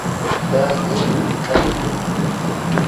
تا جين وڏيٚ ٿئي ۔